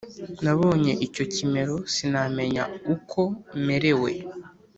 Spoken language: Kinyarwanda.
Nabonye icyo kimero sinamenya uko merewe